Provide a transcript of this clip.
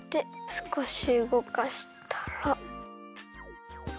すこしうごかしたら。